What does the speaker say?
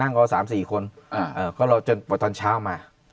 นั่งรอ๓๔คนก็รอจนตอนเช้ามา